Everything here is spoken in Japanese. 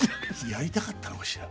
やりたかったのかしら？